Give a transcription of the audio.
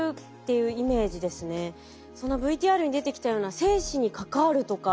ＶＴＲに出てきたような生死に関わるとか